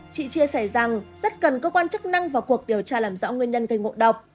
chị chia sẻ rằng rất cần cơ quan chức năng vào cuộc điều tra làm rõ nguyên nhân gây ngộ độc